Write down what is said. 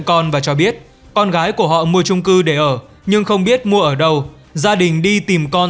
con và cho biết con gái của họ mua trung cư để ở nhưng không biết mua ở đâu gia đình đi tìm con